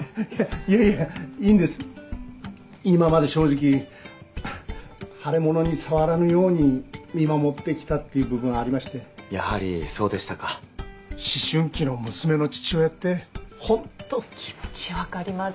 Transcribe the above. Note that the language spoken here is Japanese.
いやいやいいんです今まで正直腫れものに触らぬように見守ってきたっていう部分ありましてやはりそうでしたか思春期の娘の父親って本当気持ちわかります